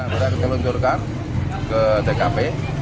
karena berarti telunjurkan ke dkp